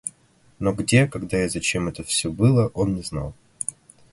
Но где, когда и зачем это все было, он не знал.